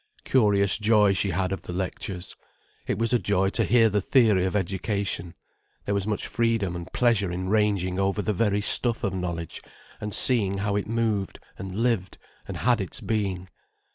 Curious joy she had of the lectures. It was a joy to hear the theory of education, there was such freedom and pleasure in ranging over the very stuff of knowledge, and seeing how it moved and lived and had its being.